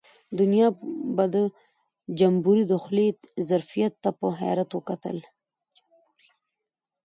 دنیا به د جمبوري د خولې ظرفیت ته په حیرت وکتل.